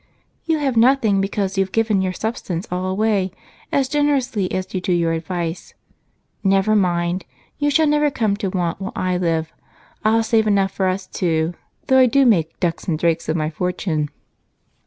"You have nothing because you've given your substance all away as generously as you do your advice. Never mind you shall never come to want while I live. I'll save enough for us two, though I do make 'ducks and drakes of my fortune.'"